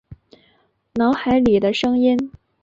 脑海里的声音